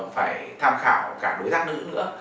phải tham khảo cả đối tác nữ nữa